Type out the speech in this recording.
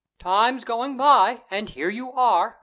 "Time's going by, and here you are!"